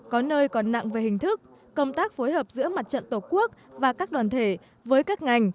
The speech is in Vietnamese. có nơi còn nặng về hình thức công tác phối hợp giữa mặt trận tổ quốc và các đoàn thể với các ngành